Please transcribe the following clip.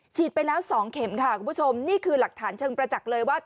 ไปแล้ว๒เข็มค่ะคุณผู้ชมนี่คือหลักฐานเชิงประจักษ์เลยว่า